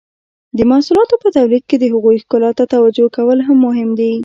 د محصولاتو په تولید کې د هغوی ښکلا ته توجو کول هم مهم دي.